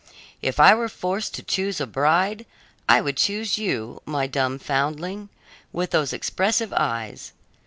If I were forced to choose a bride, I would choose you, my dumb foundling, with those expressive eyes."